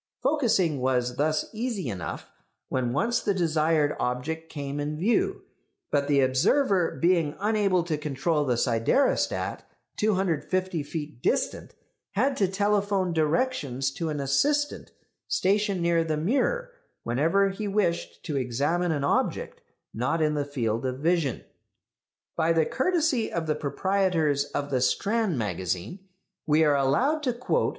Focusing was thus easy enough when once the desired object came in view; but the observer being unable to control the siderostat, 250 feet distant, had to telephone directions to an assistant stationed near the mirror whenever he wished to examine an object not in the field of vision. By the courtesy of the proprietors of the Strand Magazine we are allowed to quote M.